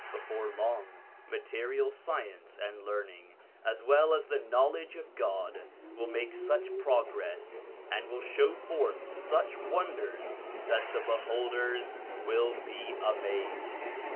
Before long, material science and learning, as well as the knowledge of God, will make such progress, and will show forth such wonders, that the beholders will be amazed.